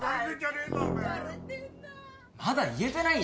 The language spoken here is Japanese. まだ言えてない？